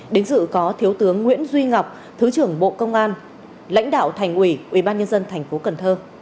đến dự có thiếu tướng nguyễn duy ngọc thứ trưởng bộ công an lãnh đạo thành ủy ủy ban nhân dân tp cn